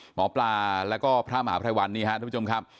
หมอปลาแล้วก็พระมหาภัยวัลนี่ครับทุกผู้ชมครับ